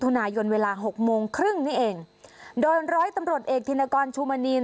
นายนเวลาหกโมงครึ่งนี่เองโดยร้อยตำรวจเอกธินกรชูมณี